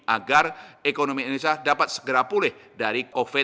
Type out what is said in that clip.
agar ekonomi indonesia dapat segera pulih dari covid sembilan belas